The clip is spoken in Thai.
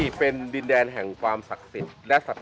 ชื่องนี้ชื่องนี้ชื่องนี้ชื่องนี้ชื่องนี้ชื่องนี้